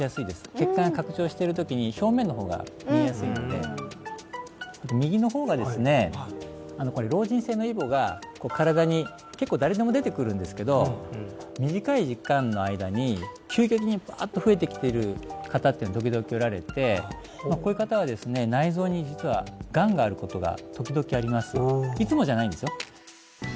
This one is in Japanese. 血管が拡張してる時に表面の方が見えやすいので右の方がですねこれ老人性のイボが身体に結構誰でも出てくるんですけど短い時間の間に急激にバーッと増えてきている方っていうのが時々おられてこういう方はですねおおいつもじゃないんですよ